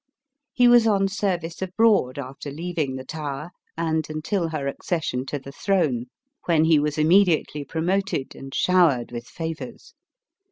He was on service abroad after leaving the Tower and until her accession to the throne, when he was immediately promoted and showered with favors.